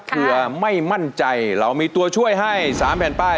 เพื่อไม่มั่นใจเรามีตัวช่วยให้๓แผ่นป้าย